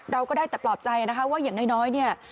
เราก็ได้แต่ปลอบใจนะคะว่าอย่างน้อยเนี่ย